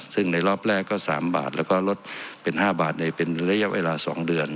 ซึ่งในรอบแรกก็๓บาทแล้วก็ลดเป็น๕บาทในเป็นระยะเวลา๒เดือน